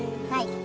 はい。